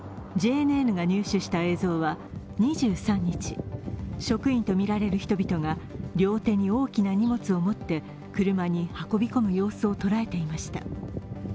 ＪＮＮが入手した映像は２３日、職員とみられる人々が両手に大きな荷物を持って車に運び込む様子を捉えていました。